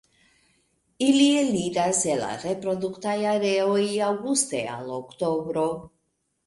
Ili eliras el la reproduktaj areoj aŭguste al oktobro.